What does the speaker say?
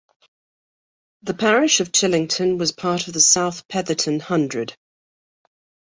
The parish of Chillington was part of the South Petherton Hundred.